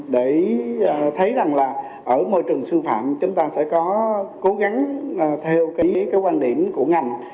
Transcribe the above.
để thấy rằng là ở môi trường sư phạm chúng ta sẽ có cố gắng theo cái quan điểm của ngành